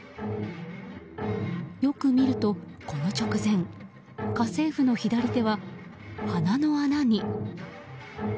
よく見ると、この直前家政婦の左手は鼻の穴に。